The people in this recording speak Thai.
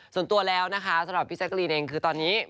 ส่วนตัวแล้วนะคะสำหรับพี่แจ๊กรีนเองคือตอนนี้